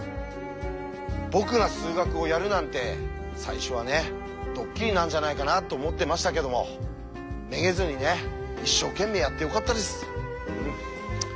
僕が数学をやるなんて最初はねドッキリなんじゃないかなと思ってましたけどもめげずにね一生懸命やってよかったです。